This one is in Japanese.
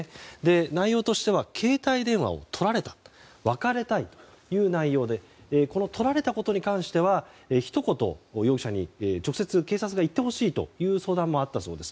内容としては携帯電話をとられた別れたいという内容でとられたことに関してはひと言、両者に警察が直接言ってほしいという相談もあったそうです。